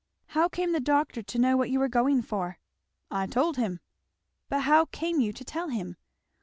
"How came the doctor to know what you were going for?" "I told him." "But how came you to tell him?"